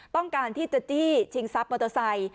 ต้องการที่จะจี้ชิงทรัพย์มอเตอร์ไซค์